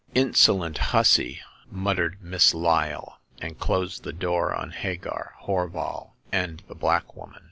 " Insolent hussy !" muttered Miss Lyle, and closed the door on Hagar, Horval and the black woman.